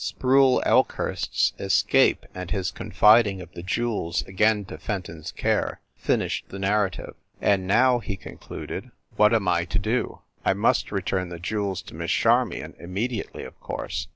Sproule Elk hurst s escape and his confiding of the jewels again to Fenton s care, finished the narrative. "And now/ he concluded, "what am I to do? I must return the jewels to Miss Charmion, immedi ately, of course.